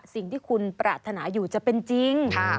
สิ่งที่คุณปรารถนาอยู่จะเป็นจริง